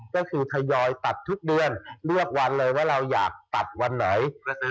ก็คือทยอยตัดทุกเดือนเลือกวันเลยว่าเราอยากตัดวันไหน